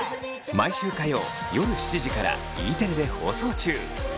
毎週火曜夜７時からＥテレで放送中。